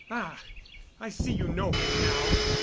"Ah! I see you know him now.